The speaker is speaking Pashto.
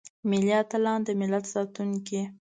ملي اتلان دملت ساتونکي.